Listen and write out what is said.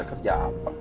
saya kerja apa